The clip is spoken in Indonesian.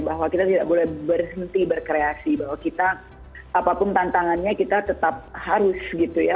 bahwa kita tidak boleh berhenti berkreasi bahwa kita apapun tantangannya kita tetap harus gitu ya